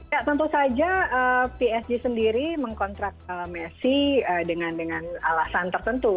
ya tentu saja psg sendiri mengkontrak messi dengan alasan tertentu